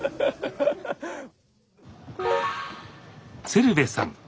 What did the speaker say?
鶴瓶さん